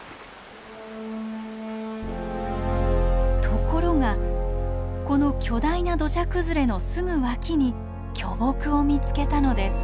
ところがこの巨大な土砂崩れのすぐ脇に巨木を見つけたのです。